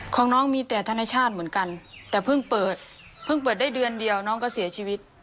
ของน้องมีแต่ธนชาติเหมือนกันแต่เพิ่งเปิดเพิ่งเปิดได้เดือนเดียวน้องก็เสียชีวิต